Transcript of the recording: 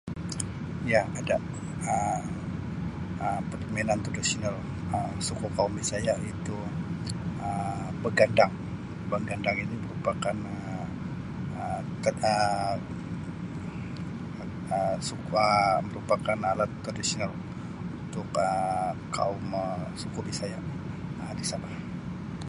Ya, ada Um permainan tradisional suku kaum Bisaya iaitu Um begandang, begandang ini merupakan Um merupakan alat tradisional untuk kaum bisaya di Sabah.